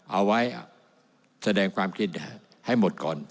เอาไว้แสดงความคิดให้หมดก่อน